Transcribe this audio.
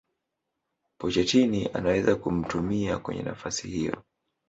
Pochettino anaweza kumtumia kwenye nafasi hiyo